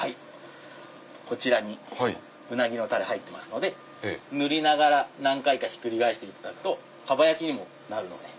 こちらにウナギのタレ入ってますので塗りながら何回かひっくり返していただくとかば焼きにもなるので。